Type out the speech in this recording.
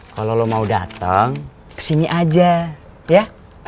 kalau lo mau datang kesini aja ya